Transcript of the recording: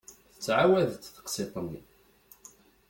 Tettɛawad-d teqsiṭ-nni.